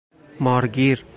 مار گیر